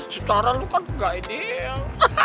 secara lu kan nggak ideal